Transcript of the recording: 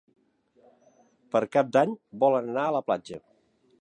Per Cap d'Any volen anar a la platja.